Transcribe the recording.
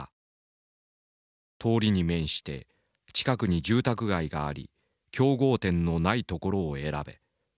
「通りに面して近くに住宅街があり競合店のない所を選べ」。